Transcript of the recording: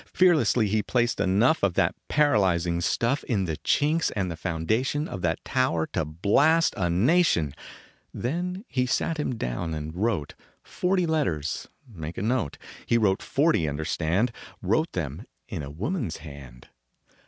Fearlessly he placed enough Of that paralyzing stuff In the chinks and the foundation Of that tower to blast a nation. Then he sat him down and wrote Forty letters make a note. He wrote forty, understand, Wrote them in a woman s hand.